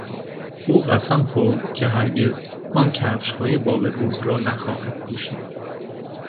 او قسم خورد که هرگز آن کفشهای باب روز را نخواهد پوشید.